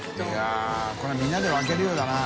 舛これはみんなで分けるようだな。